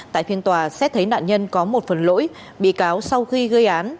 tại phiên tòa xét thấy nạn nhân có một phần lỗi bị cáo sau khi gây án